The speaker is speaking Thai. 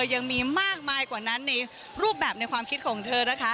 ยังมีมากมายกว่านั้นในรูปแบบในความคิดของเธอนะคะ